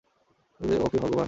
কিন্তু ও কি ভাগ্যবান?